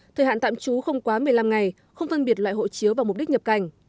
thời hạn tạm trú không quá một mươi năm ngày không phân biệt loại hộ chiếu và mục đích nhập cảnh